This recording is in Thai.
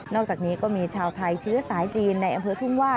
อกจากนี้ก็มีชาวไทยเชื้อสายจีนในอำเภอทุ่งว่า